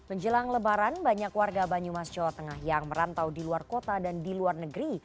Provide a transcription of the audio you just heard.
menjelang lebaran banyak warga banyumas jawa tengah yang merantau di luar kota dan di luar negeri